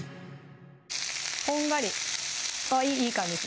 こんがりあっいい感じです